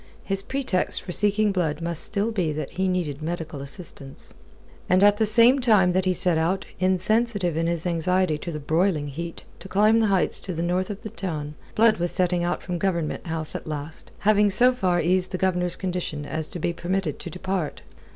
His pretext for seeking Blood must still be that he needed medical assistance. And at the same time that he set out, insensitive in his anxiety to the broiling heat, to climb the heights to the north of the town, Blood was setting out from Government House at last, having so far eased the Governor's condition as to be permitted to depart.